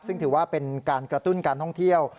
ซึ่งถือว่าเป็นการกระตุ้นการท่องเที่ยว